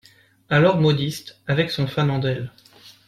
alors modiste, avec son fanandel.